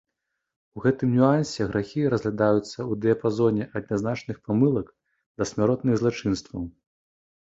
У гэтым нюансе грахі разглядаюцца ў дыяпазоне ад нязначных памылак да смяротных злачынстваў.